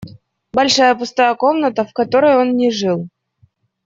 Большая пустая комната, в которой он не жил.